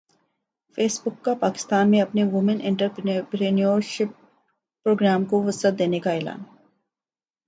face بک کا پاکستان میں اپنے وومن انٹرپرینیورشپ پروگرام کو وسعت دینے کا اعلان